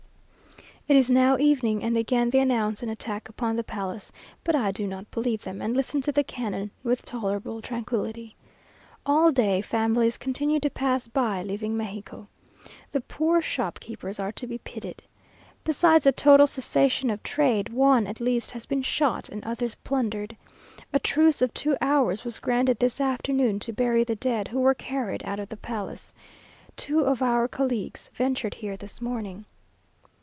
It is now evening, and again they announce an attack upon the palace, but I do not believe them, and listen to the cannon with tolerable tranquillity. All day families continue to pass by, leaving Mexico. The poor shopkeepers are to be pitied. Besides the total cessation of trade, one at least has been shot, and others plundered. A truce of two hours was granted this afternoon, to bury the dead, who were carried out of the palace. Two of our colleagues ventured here this morning.